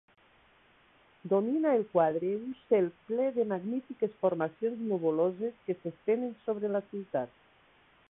Domina el quadre un cel ple de magnífiques formacions nuvoloses que s'estenen sobre la ciutat.